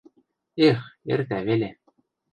Эх, эртӓ веле.